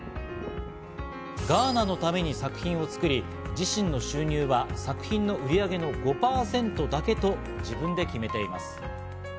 ガーナのために作品を作り、自身の収入は作品の売り上げの５％だけと自分で決めています。